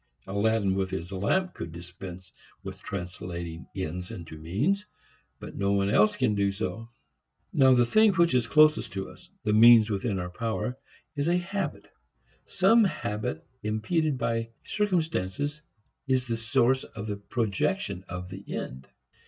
Aladdin with his lamp could dispense with translating ends into means, but no one else can do so. Now the thing which is closest to us, the means within our power, is a habit. Some habit impeded by circumstances is the source of the projection of the end.